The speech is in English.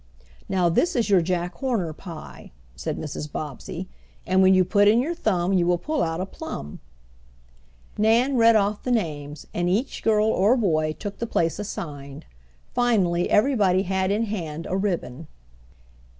"Now this is your Jack Horner pie," said Mrs. Bobbsey, "and when you put in your thumb you will pull out a plum." Nan read off the names, and each girl or boy took the place assigned. Finally everybody had in hand a ribbon.